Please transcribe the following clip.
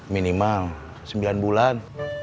minimal sembilan bulan